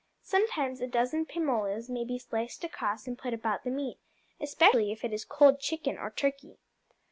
Sometimes a dozen pimolas may be sliced across and put about the meat, especially if it is cold chicken or turkey.